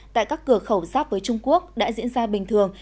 tại các cửa khẩu giáp với trung quốc đã diễn ra bình thường